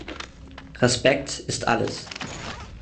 Respekt ist alles.